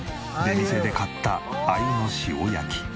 出店で買った鮎の塩焼き。